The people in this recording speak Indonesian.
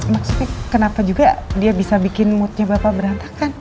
maksudnya kenapa juga dia bisa bikin moodnya bapak berantakan